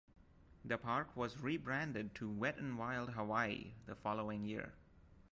The park was rebranded to Wet'n'Wild Hawaii the following year.